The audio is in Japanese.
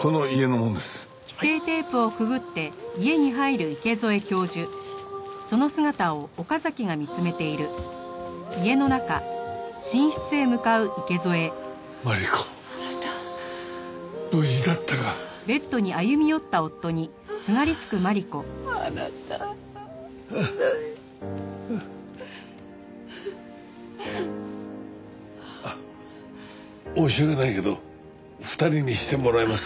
あっ申し訳ないけど２人にしてもらえますか？